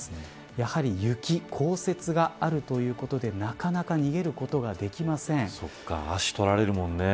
やはり雪降雪があるということでなかなか足を取られるもんね。